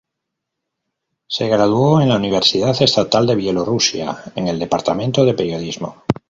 Se graduó en la Universidad Estatal de Bielorrusia, en el departamento de periodismo.